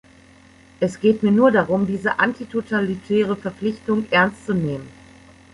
Es geht mir nur darum, diese antitotalitäre Verpflichtung ernst zu nehmen.